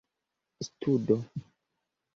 studo